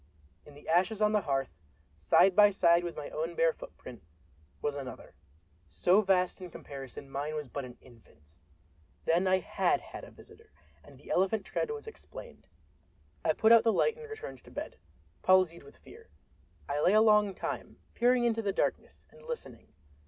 In the ashes on the hearth, side by side with my own bare footprint, was another, so vast that in comparison mine was but an infant's! Then I had had a visitor, and the elephant tread was explained. I put out the light and returned to bed, palsied with fear. I lay a long time, peering into the darkness, and listening.